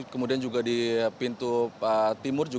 kemudian juga di pintu timur